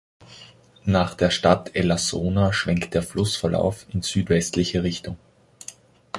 Nach der Stadt Elassona schwenkt der Flussverlauf in südwestliche Richtung.